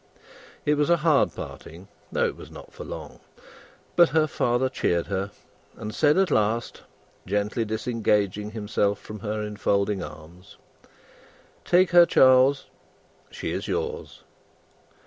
It was a hard parting, though it was not for long. But her father cheered her, and said at last, gently disengaging himself from her enfolding arms, "Take her, Charles! She is yours!"